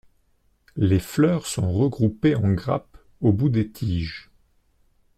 Les fleurs sont regroupées en grappes au bout des tiges.